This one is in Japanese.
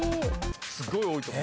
すごい多いと思う。